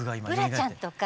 浦ちゃんとか。